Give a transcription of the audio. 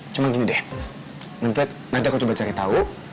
cuma gini deh nanti aku coba cari tahu